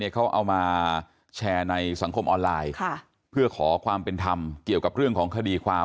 เขาเอามาแชร์ในสังคมออนไลน์เพื่อขอความเป็นธรรมเกี่ยวกับเรื่องของคดีความ